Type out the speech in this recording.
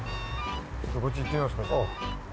こっち行ってみますか。